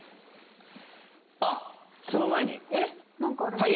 あっその前にえっ？